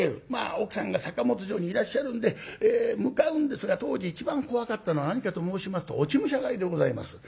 奥さんが坂本城にいらっしゃるんで向かうんですが当時一番怖かったのは何かと申しますと落ち武者狩りでございます。